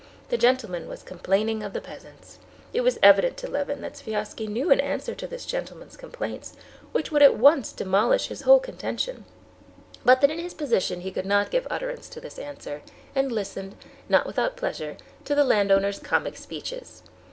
The gentleman was complaining of the peasants. It was evident to Levin that Sviazhsky knew an answer to this gentleman's complaints, which would at once demolish his whole contention, but that in his position he could not give utterance to this answer, and listened, not without pleasure, to the landowner's comic speeches.